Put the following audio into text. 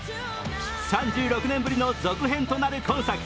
３６年ぶりの続編となる今作。